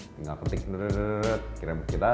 tinggal ketik kirim kita